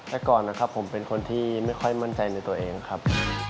แต่ก่อนนะครับผมเป็นคนที่ไม่ค่อยมั่นใจในตัวเองครับ